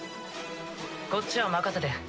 こっちは任せて。